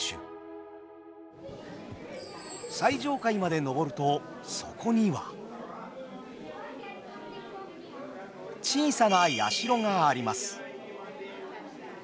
最上階まで上るとそこには小さな社があります。